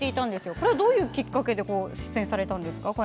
これは、どういうきっかけで出演されたんですか？